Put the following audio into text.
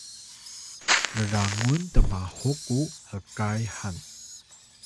rrangun tmahuk ku hkay han